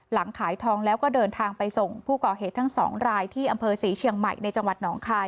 หลังขายทองแล้วก็เดินทางไปส่งผู้ก่อเหตุทั้งสองรายที่อำเภอศรีเชียงใหม่ในจังหวัดหนองคาย